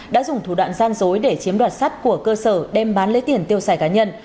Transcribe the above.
đã dùng thủ đoạn gian dối để chiếm đoạt sắt của cơ sở đem bán lấy tiền tiêu xài cá nhân